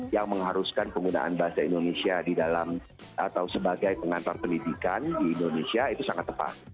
yang mengharuskan penggunaan bahasa indonesia di dalam atau sebagai pengantar pendidikan di indonesia itu sangat tepat